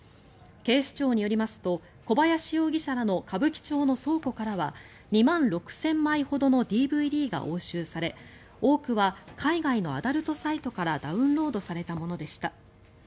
警視庁によりますと小林容疑者らの歌舞伎町の倉庫からは２万６０００枚ほどのＤＶＤが押収され多くは海外のアダルトサイトからダウンロードされたものでした。